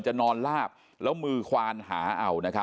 นอนลาบแล้วมือควานหาเอา